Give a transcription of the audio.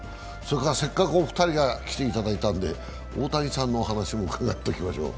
せっかくお二人に来ていただいたんで大谷さんの話も伺っておきましょう。